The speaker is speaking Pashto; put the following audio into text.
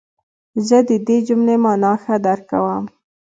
زه د دې جملې مانا ښه درک کوم.